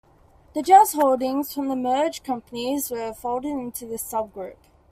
The jazz holdings from the merged companies were folded into this sub-group.